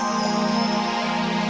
itu sungguh estrut